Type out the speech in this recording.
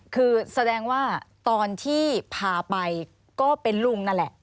คือแสดงว่าตอนที่พาไปก็เป็นลุงนั่นแหละ